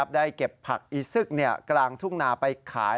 ได้เก็บผักอีซึกกลางทุ่งนาไปขาย